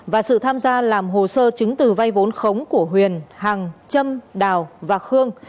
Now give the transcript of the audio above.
và sự tham gia làm hồ sơ chứng từ vây vốn khống của huyền hằng châm đào và khương